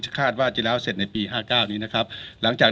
คาดว่าจะแล้วเสร็จในปีห้าเก้านี้นะครับหลังจาก